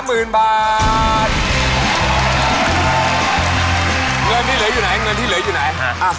เงินที่เหลืออยู่ไหน